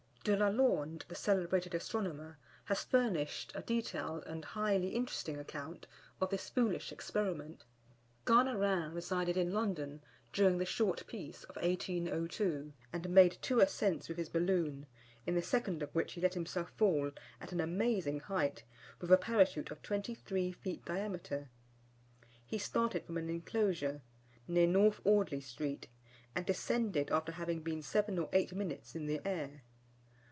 De la Lande, the celebrated astronomer, has furnished a detailed and highly interesting account of this foolish experiment. Garnerin resided in London during the short peace of 1802, and made two ascents with his balloon, in the second of which he let himself fall, at an amazing height, with a Parachute of 23 feet diameter. He started from an enclosure near North Audley Street, and descended after having been seven or eight minutes in the air.